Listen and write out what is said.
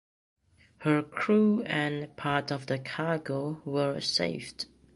Her crew and part of the cargo were saved.